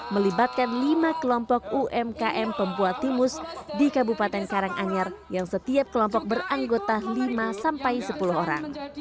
melibatkan lima kelompok umkm pembuat timus di kabupaten karanganyar yang setiap kelompok beranggota lima sampai sepuluh orang